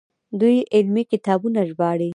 دوی علمي کتابونه ژباړي.